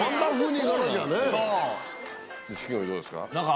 錦鯉、どうですか？